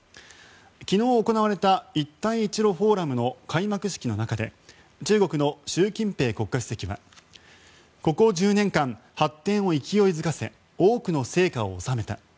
昨日行われた一帯一路フォーラムの開幕式の中で中国の習近平国家主席はここ１０年間発展を勢いづかせ多くの成果を収めた。